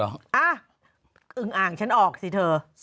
อ่ะอึงอ่างฉันออกสิเธอ